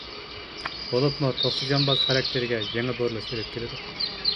بولۇپمۇ توختى جانباز خاراكتېرىگە يېڭى بۇرۇلۇش ئېلىپ كېلىدۇ.